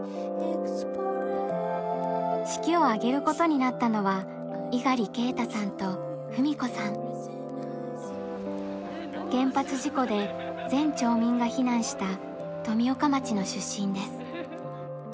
式を挙げることになったのは原発事故で全町民が避難した富岡町の出身です。